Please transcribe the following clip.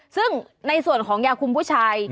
ซึ่งในส่วนของยาคุมผู้ชาย